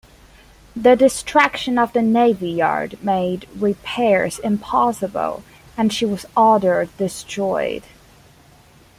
The destruction of the navy yard made repairs impossible, and she was ordered destroyed.